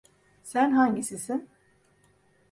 Sen hangisisin?